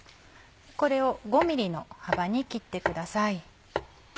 これを５ミリの幅に切ってください。